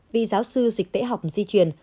vì giáo sư dịch tễ học di truyền